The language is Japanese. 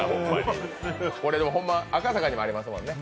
これ、赤坂にもありますもんね。